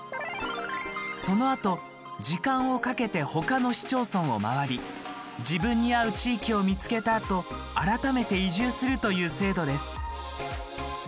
そのあと、時間をかけて他の市町村を回り自分に合う地域を見つけたあと改めて移住するという制度です。